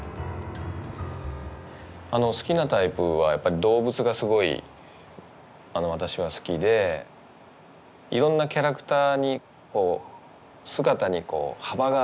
好きなタイプはやっぱり動物がすごい私は好きでいろんなキャラクターに姿に幅があるというか。